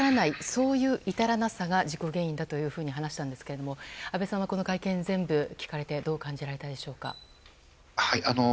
そういう至らなさが事故原因だというふうに話したんですが安倍さんはこの会見全部聞かれてどう感じられたでしょうか。